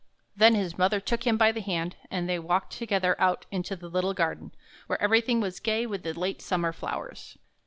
Then his mother took him by the hand, and they walked together out into the little garden, where everything was gay with the late summer flowers.